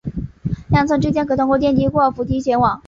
两层之间可通过电梯或扶梯前往。